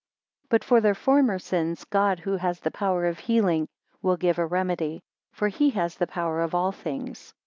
12 But for their former sins, God who has the power of healing will give a remedy; for he has the power of all things.